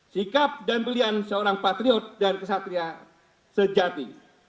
sikap dan pilihan seorang patriot dan kesatria sejati